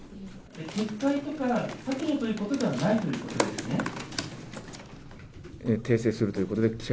撤回とか削除ということではないということですね？